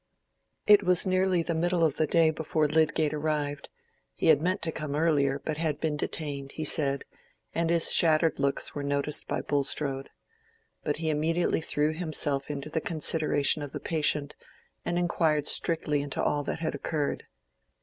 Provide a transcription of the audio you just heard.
It was nearly the middle of the day before Lydgate arrived: he had meant to come earlier, but had been detained, he said; and his shattered looks were noticed by Balstrode. But he immediately threw himself into the consideration of the patient, and inquired strictly into all that had occurred.